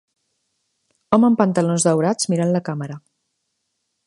Home amb pantalons daurats mirant la càmera.